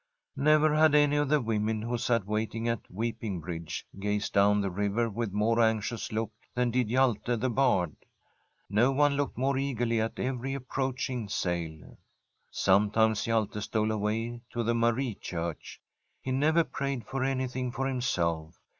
Never had any of the women who sat waiting at Weeping Bridge gazed down the river with more anxious look than did Hjalte the Bard. No one looked more eagerly at every approaching sail. Sometimes Hjalte stole away to the Marie Church. He never prayed for anything for him self.